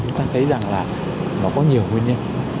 chúng ta thấy rằng là nó có nhiều nguyên nhân